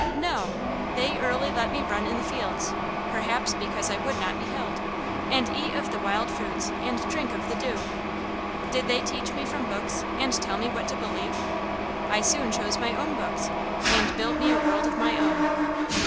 No; they early let me run in the fields perhaps because I would not be held and eat of the wild fruits and drink of the dew. Did they teach me from books, and tell me what to believe? I soon chose my own books, and built me a world of my own.